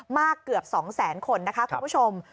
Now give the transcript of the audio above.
มากเกือบ๒แสนคนคุณผู้ชม